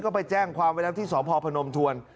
ก็ไปแจ้งความไว้แล้วที่สพพนมทวน